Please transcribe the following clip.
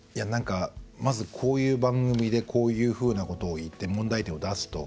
まず、こういう番組でこういうふうなことを言って問題点を出すと。